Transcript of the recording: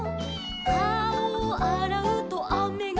「かおをあらうとあめがふる」